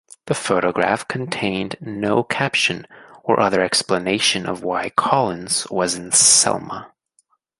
The photograph contained no caption or other explanation of why Collins was in Selma.